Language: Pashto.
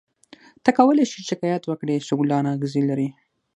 ته کولای شې شکایت وکړې چې ګلان اغزي لري.